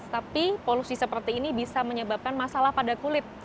tapi polusi seperti ini bisa menyebabkan masalah pada kulit